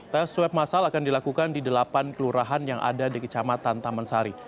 tes swab masal akan dilakukan di delapan kelurahan yang ada di kecamatan taman sari